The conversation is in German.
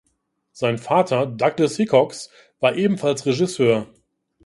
Sein Vater Douglas Hickox war ebenfalls Regisseur.